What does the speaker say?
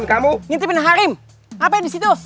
ketangkep bahasa ente